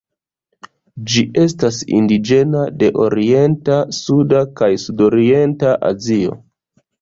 Ĝi estas indiĝena de Orienta, Suda kaj Sudorienta Azio.